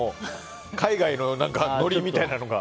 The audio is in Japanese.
海外のノリみたいなのが。